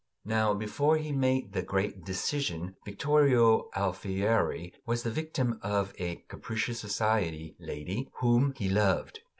Now, before he made the great "decision," Vittorio Alfieri was the victim of a capricious society lady whom he loved.